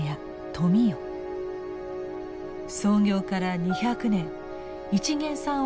創業から２００年一見さん